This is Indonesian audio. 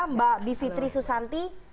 mbak bivitri susanti